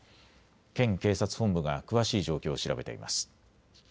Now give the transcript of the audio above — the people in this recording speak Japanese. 県警察本部が詳しい状況を調べています。